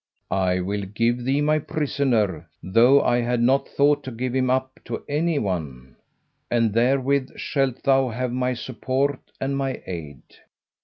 "I will give thee my prisoner, though I had not thought to give him up to any one; and therewith shalt thou have my support and my aid."